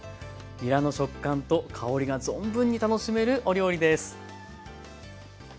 にらの食感と香りが存分に楽しめるお料理です。